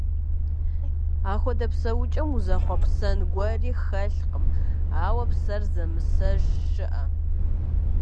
Апхуэдэ псэукӀэм узэхъуэпсэн гуэри хэлъкъым, ауэ псэр зэмысэж щыӀэ!